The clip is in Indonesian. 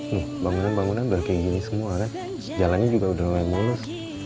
hmm bangunan bangunan udah kayak gini semua jalannya juga udah mulai mulus